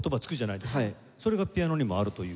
それがピアノにもあるという？